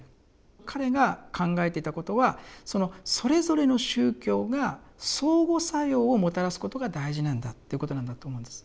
彼が考えていたことはそのそれぞれの宗教が相互作用をもたらすことが大事なんだということなんだと思うんです。